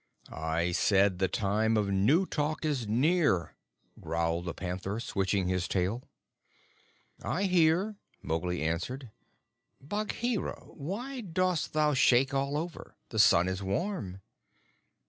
"I said the Time of New Talk is near," growled the panther, switching his tail. "I hear," Mowgli answered. "Bagheera, why dost thou shake all over? The sun is warm."